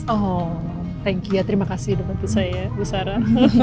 oh thank you ya terima kasih untuk saya bu sara